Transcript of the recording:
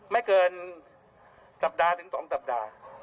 ไม่เกินสัปดาห์ถึง๒สัปดาห์